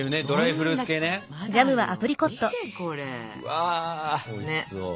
わおいしそう。